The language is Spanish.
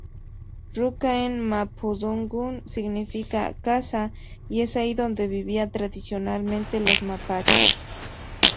Ruca en mapudungun significa 'casa' y es ahí donde vivían tradicionalmente los mapuches.